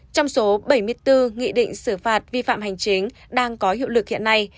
trong số bảy mươi bốn nghị định xử phạt vi phạm hành chính đang có hiệu lực hiện nay